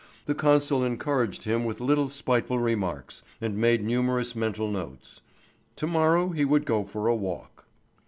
The consul encouraged him with little spiteful remarks, and made numerous mental notes. To morrow he would go for a walk.